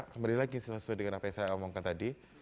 kembali lagi sesuai dengan apa yang saya omongkan tadi